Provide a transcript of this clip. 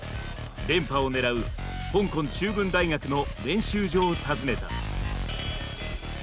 連覇を狙う香港中文大学の練習場を訪ねた。